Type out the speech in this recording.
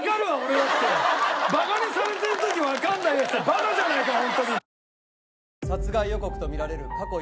バカにされてる時わかんない奴はバカじゃねえかホントに！